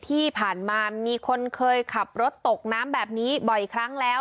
ที่ผ่านมามีคนเคยขับรถตกน้ำแบบนี้บ่อยครั้งแล้ว